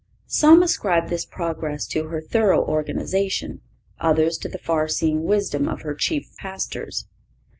Some ascribe this progress to her thorough organization; others to the far seeing wisdom of her chief pastors.